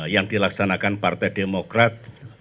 yang dilaksanakan partai demokrat